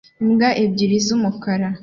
Imbwa ebyiri z'umukara